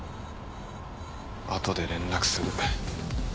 後で連絡する。